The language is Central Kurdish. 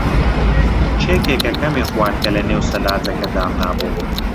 کێ کێکەکەمی خوارد کە لەنێو سەلاجەکە دامنابوو؟